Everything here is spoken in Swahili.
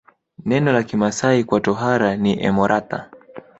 Neno la Kimasai kwa tohara ni emorata